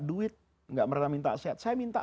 duit nggak pernah minta sehat saya minta